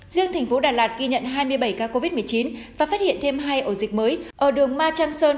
riêng thành phố đà lạt ghi nhận hai mươi bảy ca covid một mươi chín và phát hiện thêm hai ổ dịch mới ở đường ma trang sơn